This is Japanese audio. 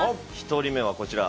１人目はこちら。